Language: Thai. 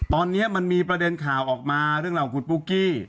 ตอนนี้มันมีประเด็นข่าวออกมาเรื่องราวของคุณปุ๊กกี้